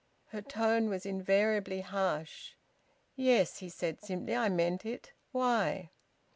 Her tone was invariably harsh. "Yes," he said simply, "I meant it. Why?"